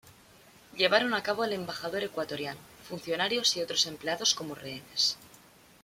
Llevaron a cabo el embajador ecuatoriano, funcionarios y otros empleados como rehenes.